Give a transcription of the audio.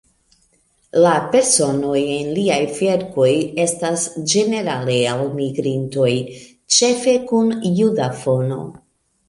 La personoj en liaj verkoj estas ĝenerale elmigrintoj, ĉefe kun juda fono.